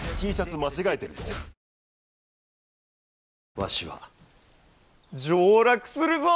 わしは上洛するぞ！